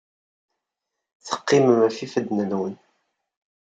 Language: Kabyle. Teqqimem ɣef yifadden-nwen.